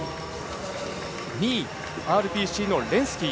２位、ＲＰＣのレンスキー。